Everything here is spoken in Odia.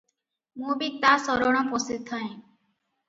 ମୁଁ ବି ତା ଶରଣ ପଶିଥାଏଁ ।